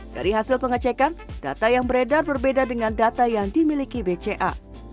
dari hasil pengecekan data yang beredar berbeda dengan data yang dimiliki bca